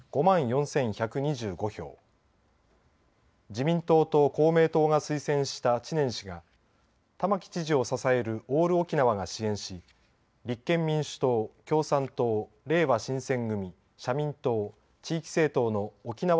自民党と公明党が推薦した知念氏が玉城知事を支えるオール沖縄が支援し立憲民主党、共産党れいわ新選組社民党、地域政党の沖縄